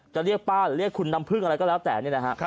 จะเรียกป้าหรือเรียกคุณน้ำพึ่งอะไรก็แล้วแต่นี่นะฮะ